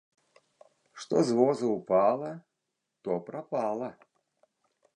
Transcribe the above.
Што з воза ўпала, то прапала!